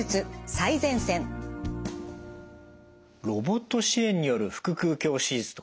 ロボット支援による腹腔鏡手術って